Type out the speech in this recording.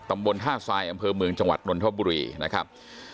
ตำบลท่าทรายอำเภอเมืองจังหวัดนนทบุรีนะครับ